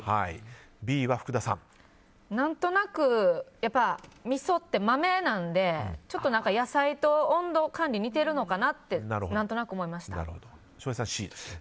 何となく、みそって豆なのでちょっと野菜と温度管理似てるのかなって翔平さん、Ｃ。